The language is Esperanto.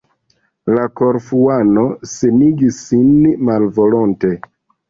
La Korfuano senigis sin malvolonte.